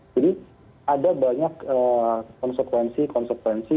jadi ada banyak konsekuensi konsekuensi